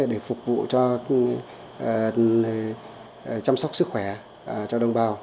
để phục vụ cho chăm sóc sức khỏe cho đồng bào